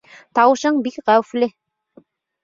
Тауышың бик хәүефле.